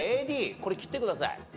これ切ってください。